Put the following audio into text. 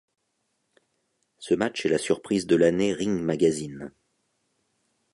Ce match est la Surprise de l'année Ring Magazine.